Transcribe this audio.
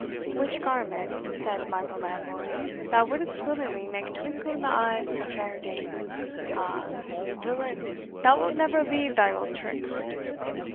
"Which garment," said Michael Lambourne, "thou wouldst willingly make twinkle in the eyes of a fair dame. Ah! villain, thou wilt never leave thy old tricks."